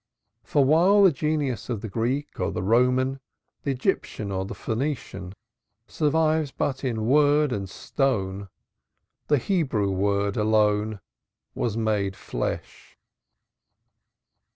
For while the genius of the Greek or the Roman, the Egyptian or the Phoenician, survives but in word and stone, the Hebrew word alone was made flesh.